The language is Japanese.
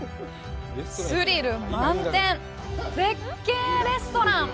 スリル満点、絶景レストラン。